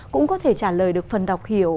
cũng có thể trả lời được phần đọc hiểu